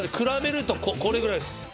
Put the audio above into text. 比べるとこれぐらいです。